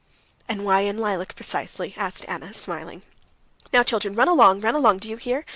"And why in lilac precisely?" asked Anna, smiling. "Now, children, run along, run along. Do you hear?